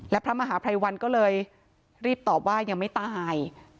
และพระมหาภัยวันก็เลยรีบตอบว่ายังไม่ตาย